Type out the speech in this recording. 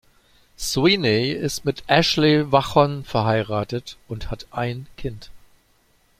Sweeney ist mit Ashley Vachon verheiratet und hat ein Kind.